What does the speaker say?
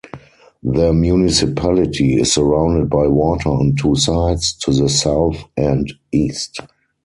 The municipality is surrounded by water on two sides, to the south and east.